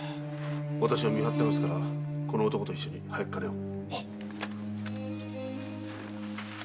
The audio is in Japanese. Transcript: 私は見張ってますからこの男と一緒に早く金を。